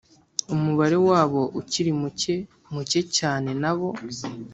Umubare wabo ukiri muke Muke cyane na bo